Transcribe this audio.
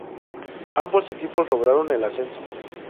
Ambos equipos lograron el ascenso.